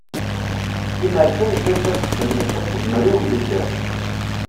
Limmer kan ǧǧan-tt ad texdem nettat tezmer i umdegger.